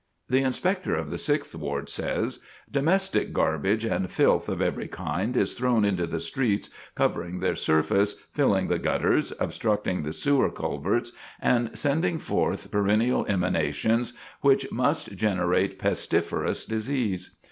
The Inspector of the Sixth Ward says: "Domestic garbage and filth of every kind is thrown into the streets, covering their surface, filling the gutters, obstructing the sewer culverts, and sending forth perennial emanations which must generate pestiferous disease.